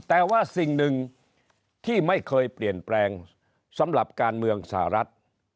แต่ว่าสิ่งหนึ่งที่ไม่เคยเปลี่ยนแปลงสำหรับการเมืองสหรัฐ